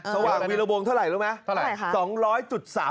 ก็หวั่งวีระวงเท่าไรรู้มั้ยเท่าไหร่ค่ะ